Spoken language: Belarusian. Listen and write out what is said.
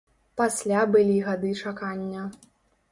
Пасля былі гады чакання.